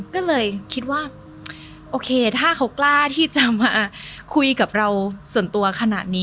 ก็เลยคิดว่าโอเคถ้าเขากล้าที่จะมาคุยกับเราส่วนตัวขนาดนี้